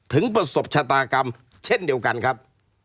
ถึงประสบชะตากรรมเช่นเดียวกันครับ